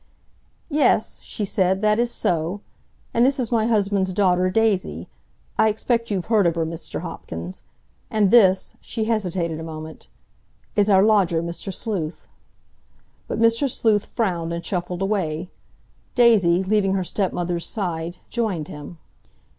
"Yes," she said, "that is so. And this is my husband's daughter, Daisy; I expect you've heard of her, Mr. Hopkins. And this"—she hesitated a moment—"is our lodger, Mr. Sleuth." But Mr. Sleuth frowned and shuffled away. Daisy, leaving her stepmother's side, joined him.